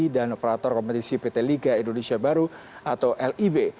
dan operator kompetisi pt liga indonesia baru atau lib